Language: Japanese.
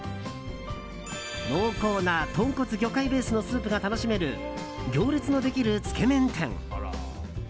濃厚な豚骨魚介ベースのスープが楽しめる行列のできるつけ麺店。